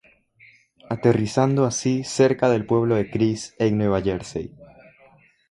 Aterrizando así cerca del pueblo de Chris en Nueva Jersey.